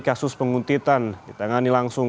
kasus penguntitan ditangani langsung